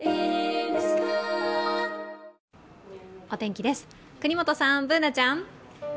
お天気です、國本さん、Ｂｏｏｎａちゃん。